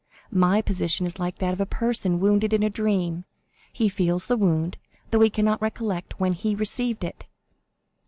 My position is like that of a person wounded in a dream; he feels the wound, though he cannot recollect when he received it.